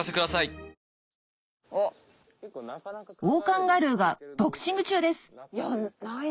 オオカンガルーがボクシング中です